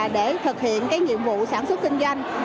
để thực hiện cái nhiệm vụ sản xuất kinh doanh